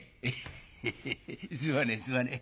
「ヘヘヘすまねえすまねえ。